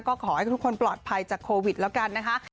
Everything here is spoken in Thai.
ก็ขอให้ทุกคนปลอดภัยจากโควิดแล้วกันนะคะ